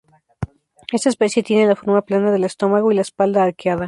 Esta especie tiene la forma plana del estómago y la espalda arqueada.